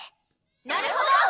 なるほど！